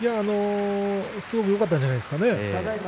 すごいよかったんじゃないでしょうかね。